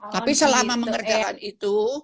tapi selama mengerjakan itu